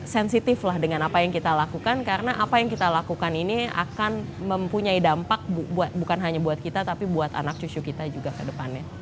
sensitif lah dengan apa yang kita lakukan karena apa yang kita lakukan ini akan mempunyai dampak bukan hanya buat kita tapi buat anak cucu kita juga ke depannya